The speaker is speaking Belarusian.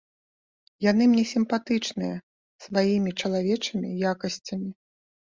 Яны мне сімпатычныя сваімі чалавечымі якасцямі.